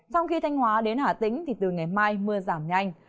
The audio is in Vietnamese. trong khi thanh hóa đến hà tĩnh thì từ ngày mai mưa giảm nhanh